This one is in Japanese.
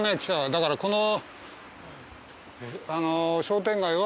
だからこの。